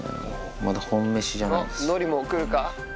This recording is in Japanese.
まだ本飯じゃないです。